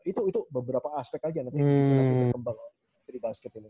itu itu beberapa aspek aja nanti akan berkembang dari basket ini